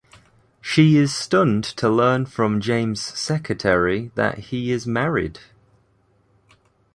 She is stunned to learn from James' secretary that he is married.